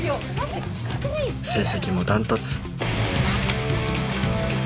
成績も断トツ